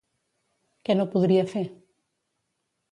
Què no podria fer?